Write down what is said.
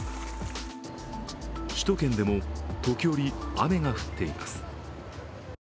首都圏でも時折、雨が降っています